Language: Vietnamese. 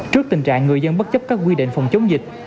trước tình trạng người dân bất chấp các quy định phòng chống dịch